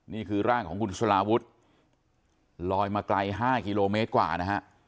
นี่คือร่างของคุณสลาวุฒิลอยมาไกล๕กิโลเมตรกว่านะฮะ